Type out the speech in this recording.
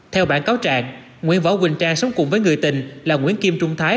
theo bản cáo trạng nguyễn võ quỳnh trang sống cùng với người tình là nguyễn kim trung thái